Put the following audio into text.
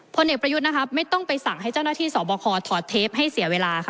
เอกประยุทธ์นะครับไม่ต้องไปสั่งให้เจ้าหน้าที่สอบคอถอดเทปให้เสียเวลาค่ะ